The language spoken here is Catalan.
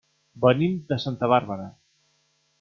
Venim de Santa Bàrbara.